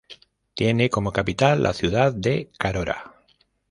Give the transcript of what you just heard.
Tiene como capital la ciudad de Carora.